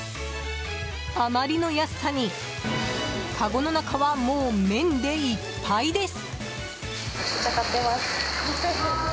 あまりの安さにかごの中はもう麺でいっぱいです。